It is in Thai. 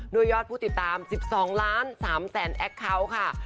ด้วยยอดผู้ติดตาม๑๒๓๐๐๐๐๐แอคเคาต์ค่ะ